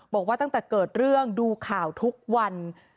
บอกว่าตั้งแต่เกิดเรื่องดูข่าวทุกวัน